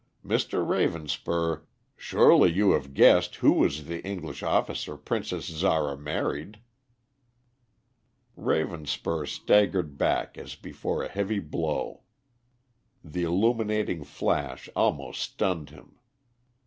Mr. Ravenspur, surely you have guessed who was the English officer Princess Zara married?" Ravenspur staggered back as before a heavy blow. The illuminating flash almost stunned him.